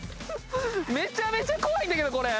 めちゃめちゃ怖いんだけどこれ！